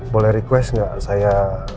boleh request enggak saya